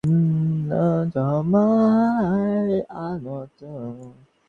তিনি এবং তাঁর অনুগামীরা একবার জংলু গ্রামে শিবির করেছিলেন।